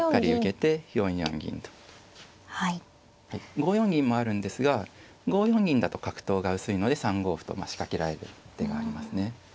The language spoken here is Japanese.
５四銀もあるんですが５四銀だと角頭が薄いので３五歩と仕掛けられる手がありますね。